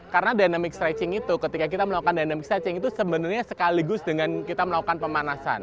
karena dynamic stretching itu ketika kita melakukan dynamic stretching itu sebenarnya sekaligus dengan kita melakukan pemanasan